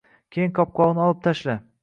keyin qalpog‘ini olib tashla.